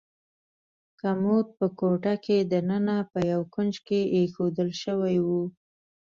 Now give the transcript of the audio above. کمود په کوټه کې دننه په یو کونج کې ایښودل شوی و.